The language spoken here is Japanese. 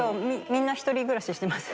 みんな一人暮らししてます。